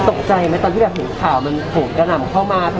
ตกใจไหมตอนที่แบบหินผืนขาวมันห่วงกระหน่ำเข้ามา